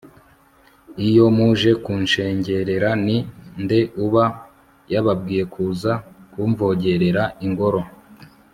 iyo muje kunshengerera, ni nde uba yababwiye kuza kumvogerera ingoro